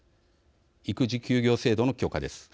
育児休業制度の強化です。